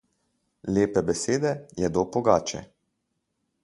Lepe besede jedo pogače.